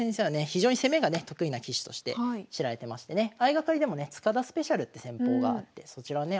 非常に攻めがね得意な棋士として知られてましてね相掛かりでもね塚田スペシャルって戦法があってそちらをね